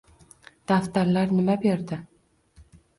“Daftar”lar nima berdi?